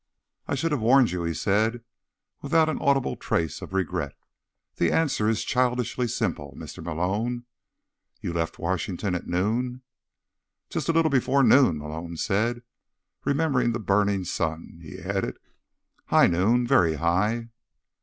"I should have warned you," he said, without an audible trace of regret. "The answer is childishly simple, Mr. Malone. You left Washington at noon." "Just a little before noon," Malone said. Remembering the burning sun, he added: "High noon. Very high."